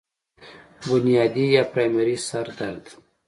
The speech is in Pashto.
بنيادي يا پرائمري سر درد